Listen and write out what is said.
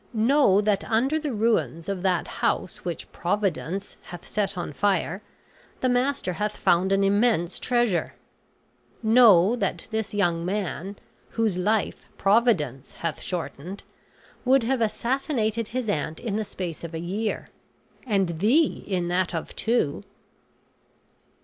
"Know that under the ruins of that house which Providence hath set on fire the master hath found an immense treasure. Know that this young man, whose life Providence hath shortened, would have assassinated his aunt in the space of a year, and thee in that of two."